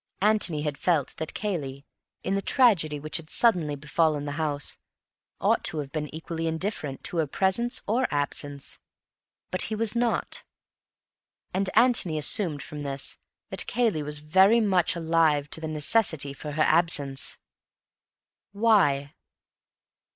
Antony had felt that Cayley, in the tragedy which had suddenly befallen the house, ought to have been equally indifferent to her presence or absence. But he was not; and Antony assumed from this that Cayley was very much alive to the necessity for her absence. Why?